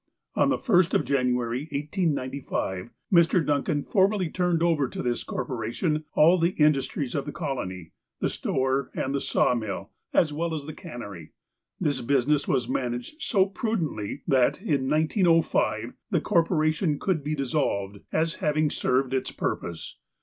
On the first of January, 1895, Mr. Duncan formally turned over to this corporation all the industries of the colony, the store, and the sawmill, as well as the cannery. This business was managed so prudently that, in 1905, the corporation could be dissolved, as having served its purpose.